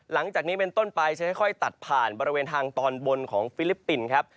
หลังจากนี้เป็นต้นไปจะค่อยตัดผ่านบริเวณทางตอนบนของฟิลิปปินส์ครับ